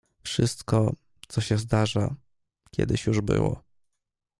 "Wszystko, co się zdarza, kiedyś już było."